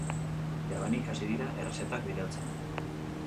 Jadanik hasi dira errezetak bidaltzen.